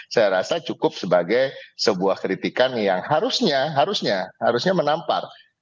saya rasa cukup sebagai sebuah kritikan yang harusnya harusnya harusnya menampar